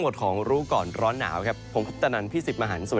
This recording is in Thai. เช่นที่